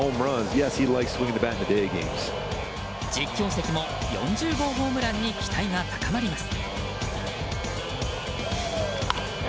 実況席も４０号ホームランに期待が高まります。